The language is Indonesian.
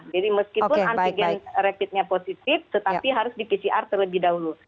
jadi meskipun antigen rapidnya positif tetapi harus di pcr terlebih dahulu